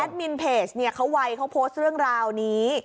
แอดมินเพจเขาไว้เขาโพสต์เรื่องราวนี้